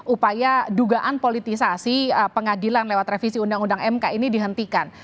upaya dugaan politisasi pengadilan lewat revisi undang undang mk ini dihentikan